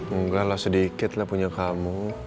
enggak lah sedikit lah punya kamu